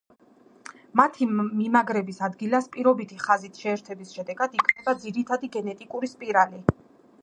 მათი მიმაგრების ადგილას პირობითი ხაზით შეერთების შედეგად იქმნება ძირითადი გენეტიკური სპირალი.